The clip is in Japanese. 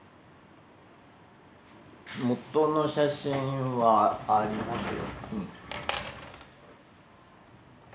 元の写真はありますよ。